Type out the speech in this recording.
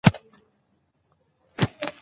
قـــزلــباشــــــــــي